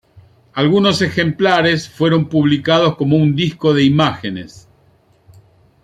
Algunos ejemplares fueron publicados como un disco de imágenes.